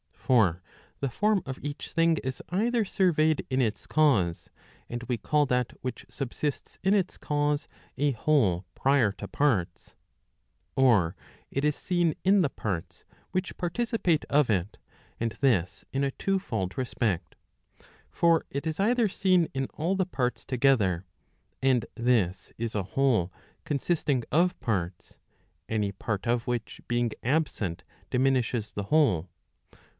For the form of each thing is either surveyed in its cause, and we call that which subsists in its cause a whole prior to parts. Or it is seen in the parts which participate of it; and this in a two fold respect. For it is either seen in all the parts together, and this is a whole consisting of parts, any part of which being absent diminishes the whole.